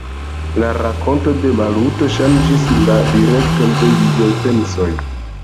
La rakonto de Maluto ŝanĝis la direkton de liaj pensoj.